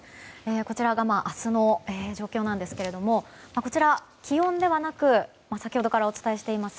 こちらが明日の状況なんですがこちら、気温ではなく先ほどからお伝えしています